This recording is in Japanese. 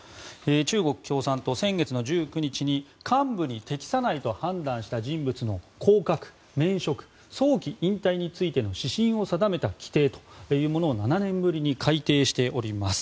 中国共産党、先月１９日に幹部に適さないと判断した人物の降格、免職、早期引退についての指針を定めた規定というものを７年ぶりに改定しております。